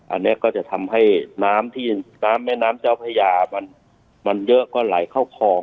อันนี้ก็จะทำให้น้ำที่น้ำแม่น้ำเจ้าพญามันเยอะก็ไหลเข้าคลอง